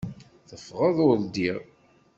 Teffɣeḍ ur ddiɣ.